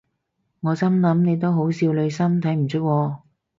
我心諗你都好少女心睇唔出喎